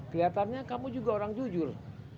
kelihatannya kamu juga orang jujur